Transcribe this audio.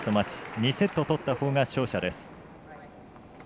２セット取ったほうが勝者です。